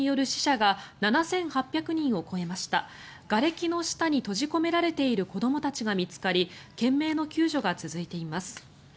がれきの下に閉じ込められている子どもたちが見つかり懸命の救助が続いています。